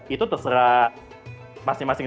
itu terserah masing masing